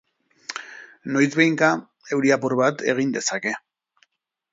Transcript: Noizbehinka, euri apur bat egin dezake.